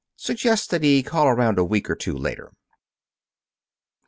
Suggest that he call around a week or two later."